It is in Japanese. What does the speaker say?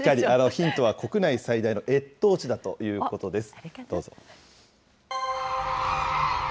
ヒントは国内最大の越冬地だということです。